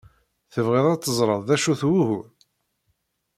Tebɣid ad teẓred d acu-t wugur?